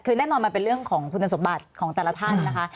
คือแน่นอนมันเป็นเรื่องของคุณสมบัติของแต่ละท่านนะคะ